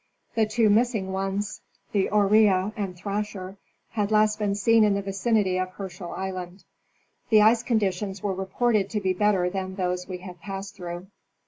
The two missing ones, the Orea and Thrasher, had last been seen in the vicinity of Herschel island. The ice conditions were reported to be better than those we had passed through.